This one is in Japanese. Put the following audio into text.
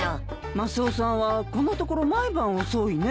マスオさんはこのところ毎晩遅いね。